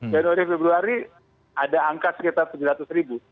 januari februari ada angka sekitar rp tujuh ratus